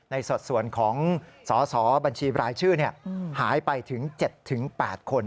ในสัดส่วนของสสบชหายไปถึง๗๘คน